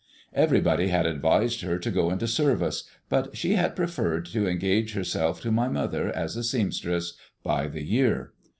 Everybody had advised her to go into service; but she had preferred to engage herself to my mother as a seamstress, by the year.